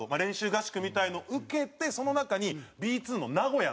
合宿みたいのを受けてその中にＢ２の名古屋のチームがあったので